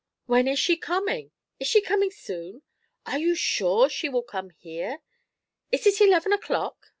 'When is she coming?' 'Is she coming soon?' 'Are you sure she will come here?' 'Is it eleven o'clock?'